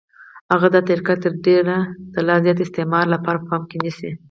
هغه دا طریقه تر ډېره د لا زیات استثمار لپاره په پام کې نیسي